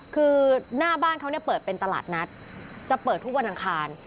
คือหน้าบ้านเขาเนี่ยเปิดเป็นตลาดนัดจะเปิดทุกวันอังคาร